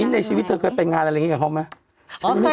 ในชีวิตเธอเคยไปงานอะไรอย่างนี้กับเขาไหม